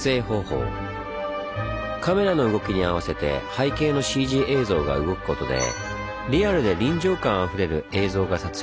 カメラの動きに合わせて背景のＣＧ映像が動くことでリアルで臨場感あふれる映像が撮影できるんです。